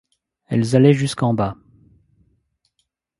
Elles allaient jusqu’en bas.